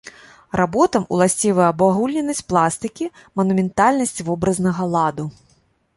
Работам уласцівы абагульненасць пластыкі, манументальнасць вобразнага ладу.